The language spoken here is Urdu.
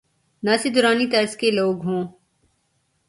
ناصر درانی طرز کے لو گ ہوں۔